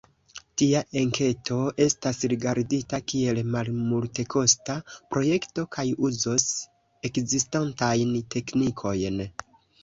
Tia enketo estas rigardita kiel malmultekosta projekto kaj uzos ekzistantajn teknikojn.